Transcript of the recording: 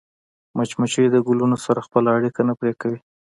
مچمچۍ د ګلونو سره خپله اړیکه نه پرې کوي